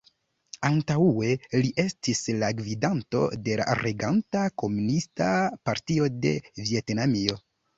Antaŭe li estis la gvidanto de la reganta Komunista Partio de Vjetnamio.